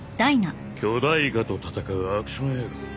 巨大イカと戦うアクション映画。